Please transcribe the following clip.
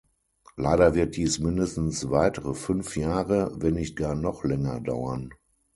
Leider wird dies mindestens weitere fünf Jahre, wenn nicht gar noch länger, dauern.